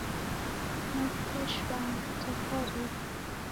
Naw'uka shwaa ngatatarika.